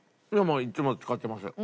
いつも使ってますよ。